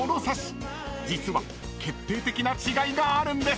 ［実は決定的な違いがあるんです！］